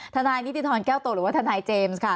ทนายนิตฑีทรใก้ว่าโตรไหร่วะทนายเจมส์